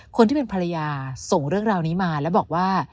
คนที่เป็นภรรยาส่งเรื่องราวนี้มาแล้วบอกว่า